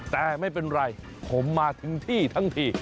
แต่ไม่เป็นไรผมมาถึงที่ทั้งที